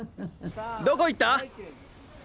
どこ行った？